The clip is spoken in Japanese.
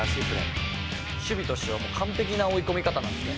守備としては完璧な追い込み方なんですね。